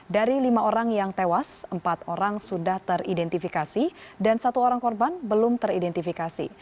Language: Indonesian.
dari lima orang yang tewas empat orang sudah teridentifikasi dan satu orang korban belum teridentifikasi